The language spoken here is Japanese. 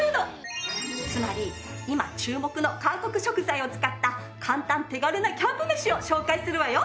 つまり今注目の韓国食材を使った簡単手軽なキャンプ飯を紹介するわよ。